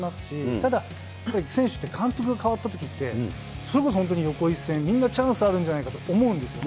ただ、選手って監督が代わったときって、それこそ本当に横一線、みんなチャンスあるんじゃないかと思うんですよ。